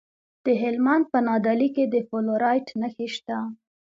د هلمند په نادعلي کې د فلورایټ نښې شته.